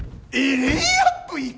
レイアップいく？